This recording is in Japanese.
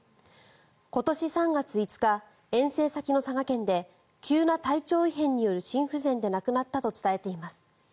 今年３月５日、遠征先の佐賀県で急な体調異変による心不全で亡くなったと伝えています。